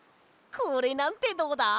これなんてどうだ？